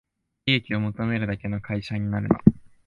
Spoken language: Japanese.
利益を求めるだけの会社になるな